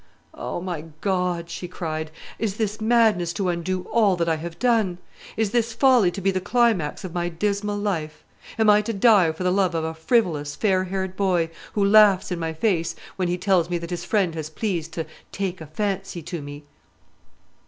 "O my God," she cried, "is this madness to undo all that I have done? Is this folly to be the climax of my dismal life? Am I to die for the love of a frivolous, fair haired boy, who laughs in my face when he tells me that his friend has pleased to 'take a fancy to me'?"